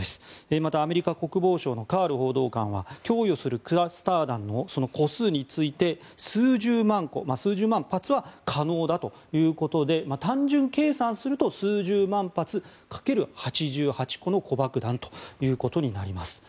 また、アメリカ国防省のカール報道官は供与するクラスター弾の個数について数十万個、数十万発は可能だということで単純計算すると数十万発掛ける８個の子爆弾ということになります。